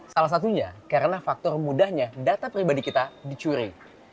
salah satunya karena faktor mudahnya data pribadi kita dicuri